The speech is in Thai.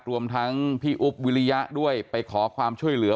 รวมทั้งพี่อุ๊บวิริยะด้วยไปขอความช่วยเหลือ